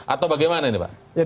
atau bagaimana ini pak